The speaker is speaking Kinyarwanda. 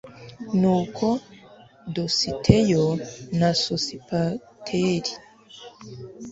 nuko dositeyo na sosipateri